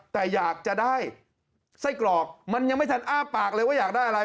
แต่อยากจะได้ไส้กรอกมันยังไม่ทันอ้าปากเลยว่าอยากได้อะไร